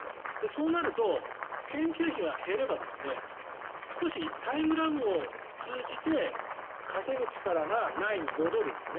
そうなると研究費が減れば少しタイムラグを通じて稼ぐ力がないに戻るんです。